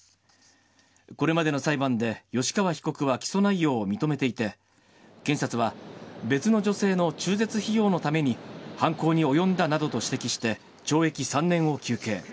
これまでの裁判で吉川被告は起訴内容を認めていて、検察は、別の女性の中絶費用のために、犯行に及んだなどと指摘して、懲役３年を求刑。